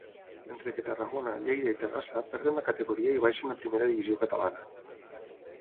Mentre que Tarragona, Lleida i Terrassa perden la categoria i baixen a primera divisió catalana.